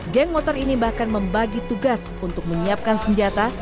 geng motor ini bahkan membagi tugas untuk menyiapkan senjata